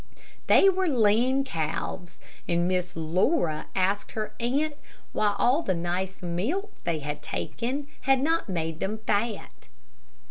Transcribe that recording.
They were lean calves, and Miss Laura asked her aunt why all the nice milk they had taken had not made them fat.